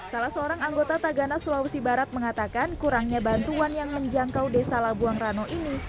salah seorang anggota tagana sulawesi barat mengatakan kurangnya bantuan yang menjangkau desa labuang rano ini